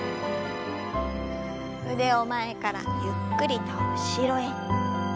腕を前からゆっくりと後ろへ。